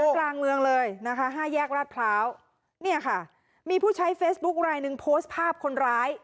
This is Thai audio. กลางเมืองเลยนะคะห้าแยกราชพร้าวเนี่ยค่ะมีผู้ใช้เฟซบุ๊คลายหนึ่งโพสต์ภาพคนร้าย